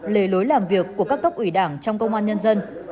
lề lối làm việc của các cấp ủy đảng trong công an nhân dân